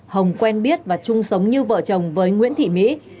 hồng quen biết và chung sống như vợ chồng với nguyễn thị mỹ